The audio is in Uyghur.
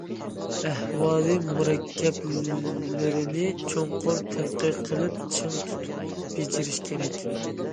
ئەھۋالى مۇرەككەپلىرىنى چوڭقۇر تەتقىق قىلىپ، چىڭ تۇتۇپ بېجىرىش كېرەك.